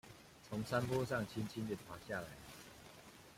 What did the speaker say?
從山坡上輕輕地爬下來了